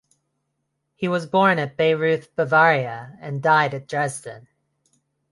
He was born at Bayreuth, Bavaria and died at Dresden.